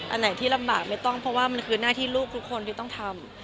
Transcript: อันไหนที่ลำบากไม่ต้องเพราะว่ามันคือหน้าที่ลูกทุกคนที่ต้องทำ